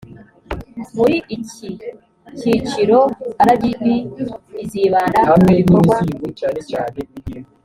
muri iki kiciro rgb izibanda ku bikorwa bikurikira